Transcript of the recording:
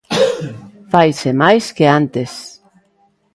Faise máis que antes.